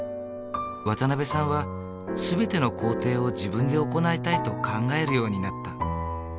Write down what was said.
渡辺さんは全ての工程を自分で行いたいと考えるようになった。